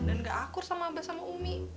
dan gak akur sama abah sama umi